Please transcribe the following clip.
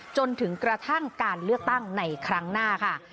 จนกระทั่งการเลือกตั้งในครั้งหน้าค่ะ